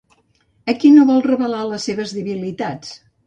A qui no vol revelar les seves debilitats?